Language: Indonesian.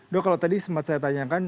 dok kalau tadi sempat saya tanyakan